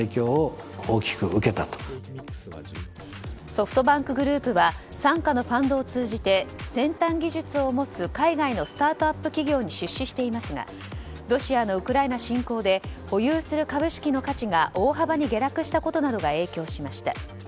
ソフトバンクグループは傘下のファンドを通じて先端技術を持つ海外のスタートアップ企業に出資していますがロシアのウクライナ侵攻で保有する株式の価値が大幅に下落したことなどが影響しました。